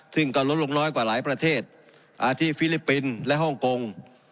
ซึ่งก็ลดลงน้อยกว่าหลายประเทศที่ฟิลิปปินส์และฮ่องกง